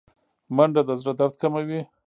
منډه د زړه درد کموي